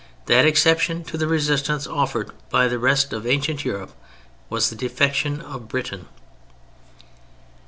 That exception to the resistance offered by the rest of ancient Europe was the defection of Britain.